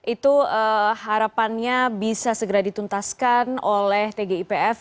itu harapannya bisa segera dituntaskan oleh tgipf